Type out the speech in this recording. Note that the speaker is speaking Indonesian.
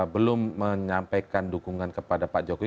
belum menyampaikan dukungan kepada pak jokowi